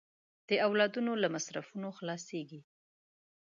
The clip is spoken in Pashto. د اولادونو د مصرفونو خلاصېږي.